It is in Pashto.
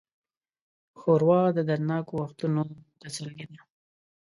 ښوروا د دردناکو وختونو تسلي ده.